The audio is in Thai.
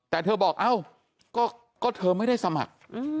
แต่เธอบอกเอ้าก็เธอไม่ได้สมัคร